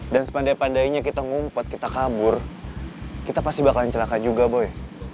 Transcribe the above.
dan sepandai pandainya kita ngumpet kita kabur kita pasti bakalan celaka juga boy